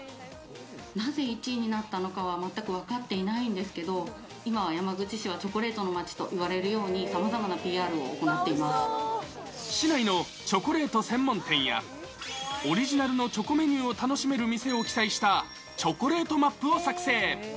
なぜ１位になったのかは、全く分かっていないんですけど、今、山口市はチョコレートの街といわれるように、さまざまなＰＲを行市内のチョコレート専門店や、オリジナルのチョコメニューを楽しめる店を記載した、チョコレートマップを作成。